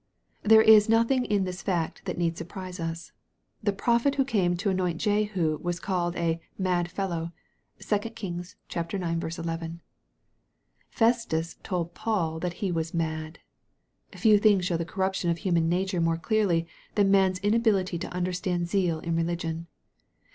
There is no thing in this fact that need surprise us. The prophet who came to anoint Jehu was called a " mad fel low." (2 Kings ix. 11.) Festus told Paul that he was " mad." Few things show the corruption of human na ture more clearly, than man's inability to understand zeal in religion.